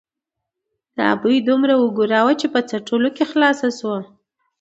ـ د ابۍ دومره اګوره وه ،چې په څټلو خلاصه شوه.